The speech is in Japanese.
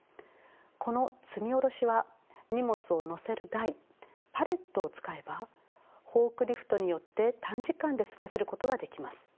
この積み降ろしは荷物を載せる台パレットを使えばフォークリフトによって短時間で済ませることができます。